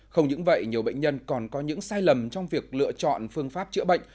không những vậy nhiều bệnh nhân còn có những sai lầm trong việc lựa chọn phương pháp chữa bệnh